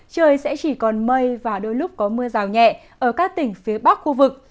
trời sẽ chỉ còn mây và đôi lúc có mưa rào nhẹ ở các tỉnh phía bắc khu vực